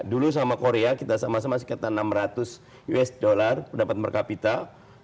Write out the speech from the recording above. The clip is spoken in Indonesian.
dulu sama korea kita sama sama sekitar enam ratus usd dapat per kapital